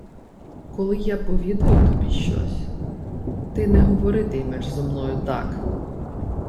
— Коли я повідаю тобі щось, ти не говорити-ймеш зо мною так.